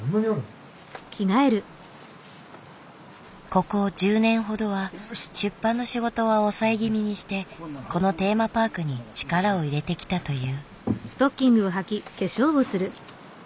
ここ１０年ほどは出版の仕事は抑え気味にしてこのテーマパークに力を入れてきたという。